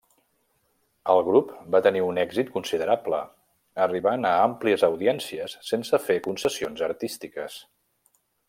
El grup va tenir un èxit considerable, arribant a àmplies audiències sense fer concessions artístiques.